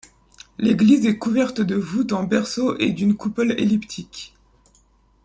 L'église est couverte de voûtes en berceau et d'une coupole elliptique.